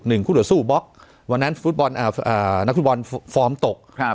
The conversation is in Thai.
หนึ่งคุณสู้บล็อกวันนั้นนักฟุตบอลฟอร์มตก